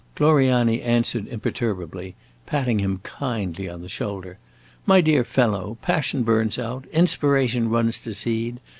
Gloriani answered imperturbably, patting him kindly on the shoulder. "My dear fellow, passion burns out, inspiration runs to seed.